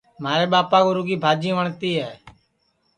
مھارے ٻاپا کُو رُگی بھجی وٹؔتی ہے